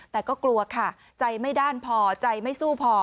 แต่ก็กลัวค่ะใจไม่ด้านพอใจไม่สู้พอ